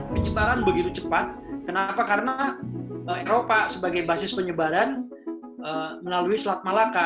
penyebaran begitu cepat kenapa karena eropa sebagai basis penyebaran melalui selat malaka